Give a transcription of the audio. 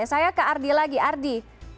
saya ke ardi lagi ardi